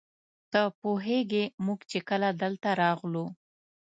ته پوهېږې موږ چې کله دلته راغلو.